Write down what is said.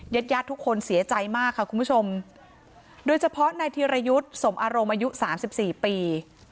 ญาติญาติทุกคนเสียใจมากค่ะคุณผู้ชมโดยเฉพาะนายธีรยุทธ์สมอารมณ์อายุสามสิบสี่ปี